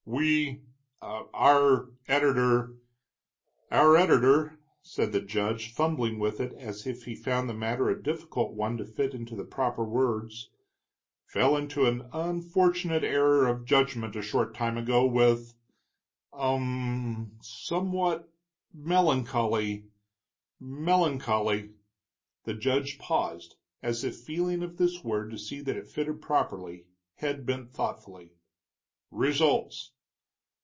"We our editor our editor," said the judge, fumbling with it as if he found the matter a difficult one to fit to the proper words, "fell into an unfortunate error of judgment a short time ago, with um m m somewhat melancholy melancholy " the judge paused, as if feeling of this word to see that it fitted properly, head bent thoughtfully "results.